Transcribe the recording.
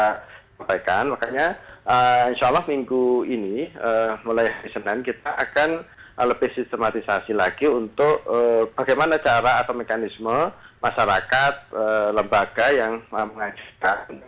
kita sampaikan makanya insya allah minggu ini mulai hari senin kita akan lebih sistematisasi lagi untuk bagaimana cara atau mekanisme masyarakat lembaga yang mengajukan